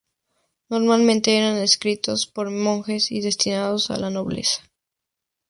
Normalmente eran escritos por monjes y destinados a la nobleza.